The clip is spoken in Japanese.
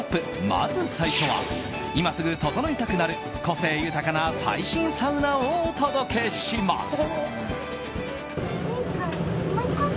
まず最初は今すぐ、ととのいたくなる個性豊かな最新サウナをお届けします。